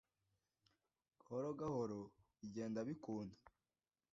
Gahoro gahoro bigenda bikunda